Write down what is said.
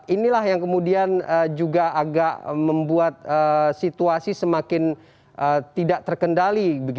inilah yang kemudian juga agak membuat situasi semakin tidak terkendali